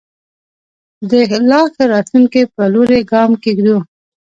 د لا ښه راتلونکي په لوري ګام کېږدو.